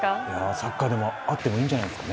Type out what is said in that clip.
サッカーでもあってもいいんじゃないんですか。